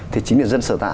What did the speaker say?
thì chính là dân sở tạ